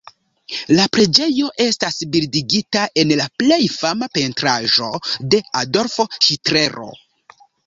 La preĝejo estas bildigita en la plej fama pentraĵo de Adolfo Hitlero.